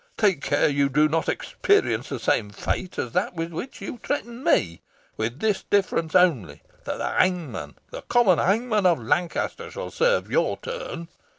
Take care you do not experience the same fate as that with which you threaten me, with this difference only, that the hangman the common hangman of Lancaster shall serve your turn.